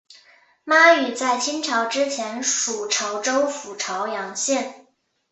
妈屿在清朝之前属潮州府潮阳县。